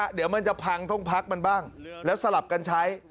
เดี๋ยวมันจะพังต้องพักมันบ้างแล้วสลับกันใช้